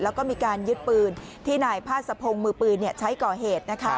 แล้วก็มีการยึดปืนที่นายพาสะพงศ์มือปืนใช้ก่อเหตุ